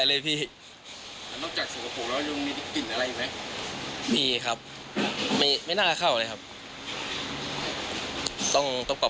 เนี่ยคงไม่กล้าเข้ากับเรา